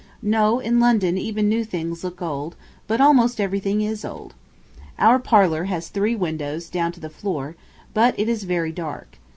No, in London even new things look old, but almost everything is old. Our parlor has three windows down to the floor, but it is very dark.